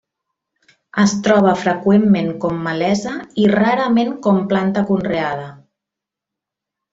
Es troba freqüentment com malesa i rarament com planta conreada.